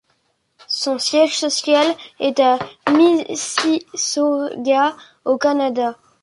Son siège social est à Mississauga, au Canada.